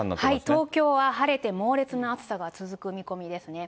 東京は晴れて猛烈な暑さが続く見込みですね。